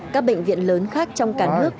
các bệnh viện lớn khác trong cả nước